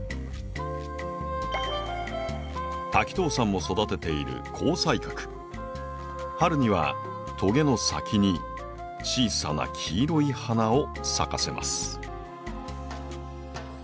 滝藤さんも育てている春にはトゲの先に小さな黄色い花を咲かせます。